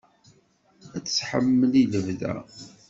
Ad t-tḥemmel i lebda.